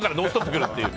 来るっていう。